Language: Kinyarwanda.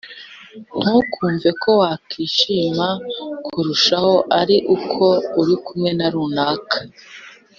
ntukumve ko wakwishima kurushaho ari uko uri kumwe na kanaka,